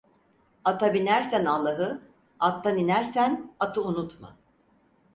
Ata binersen Allah'ı, attan inersen atı unutma.